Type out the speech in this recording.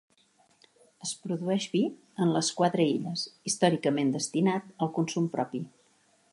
Es produeix vi en les quatre illes, històricament destinat al consum propi.